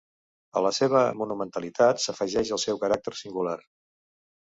A la seva monumentalitat s'afegeix el seu caràcter singular.